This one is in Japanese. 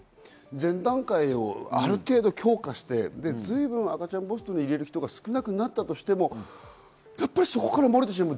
前段階である程度、強化して随分、赤ちゃんポストに入れる人が少なくなったとしてもそこから漏れてしまう。